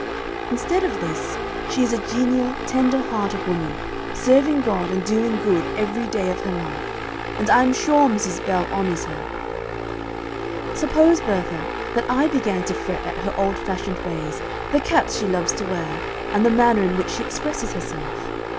"Instead of this, she is a genial, tender hearted woman, serving God and doing good every day of her life, and I am sure Mrs. Bell honors her. "Suppose, Bertha, that I began to fret at her old fashioned ways, the caps she loves to wear, and the manner in which she expresses herself?